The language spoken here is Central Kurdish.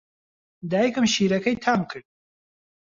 دایکم شیرەکەی تام کرد.